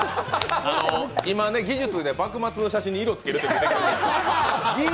今、技術で幕末の写真に色をつけられる。